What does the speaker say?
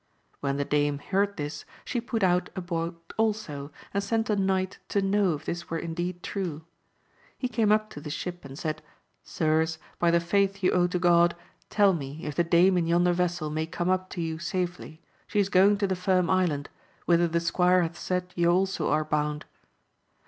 When the dame heard this, she put out a boat also, and sent a knight to know if this were AMADIS OF GAUL, 265 indeed true. He came up to the ship and said, Sirs, by the faith you owe to God, tell me if the dame in yonder vessel may come up to you safely ; she is going to the Firm Island, whither the squire hath said ye also are bound.